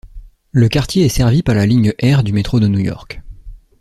Le quartier est servi par Ligne R du métro de New York.